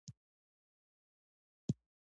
کاکتوس څنګه اوبه ساتي؟